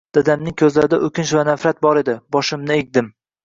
Dadamning koʻzlarida oʻkinch va nafrat bor edi. Boshimni egdim.